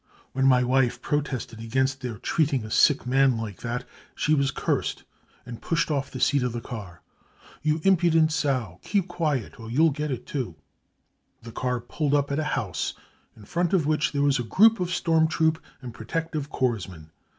When my wife protested against their treating a sick man like that, she was cursed ^and pushed off the seat of the car :£ You impu dent sow, keep quiet, or you'll get it too !' The car pulled up at a house, in front of which there was a group of storm troop and protective corps men.